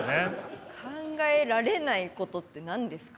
「考えられないこと」って何ですか？